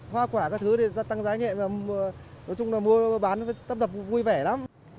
hoa quả các thứ tăng giá nhẹ mua bán tâm tập vui vẻ lắm